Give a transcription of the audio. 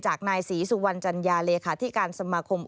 จากนายศรีสุวรรณจัญญาเลขาธิการสมาคม